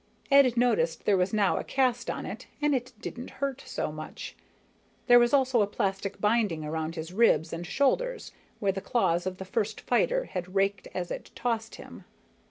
Ed noticed there was now a cast on it, and it didn't hurt so much. There was also a plastic binding around his ribs and shoulder, where the claws of the first fighter had raked as it tossed him.